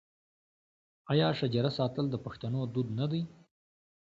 آیا شجره ساتل د پښتنو دود نه دی؟